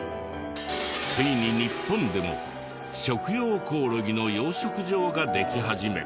ついに日本でも食用コオロギの養殖場ができ始め。